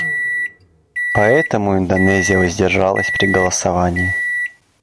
Поэтому Индонезия воздержалась при голосовании.